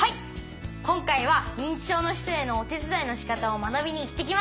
今回は認知症の人へのお手伝いのしかたを学びに行ってきました。